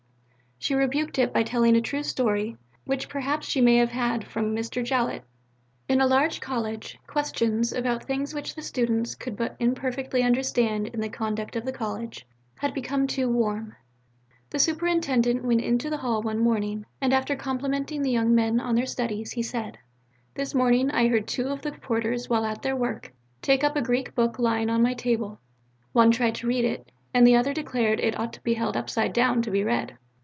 She rebuked it by telling a true story, which perhaps she may have had from Mr. Jowett: In a large college, questions, about things which the students could but imperfectly understand in the conduct of the college, had become too warm. The superintendent went into the hall one morning, and after complimenting the young men on their studies, he said: "This morning I heard two of the porters, while at their work, take up a Greek book lying on my table; one tried to read it, and the other declared it ought to be held upside down to be read.